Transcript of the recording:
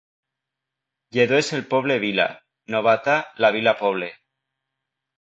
Lledó és el poble vila; Navata, la vila poble.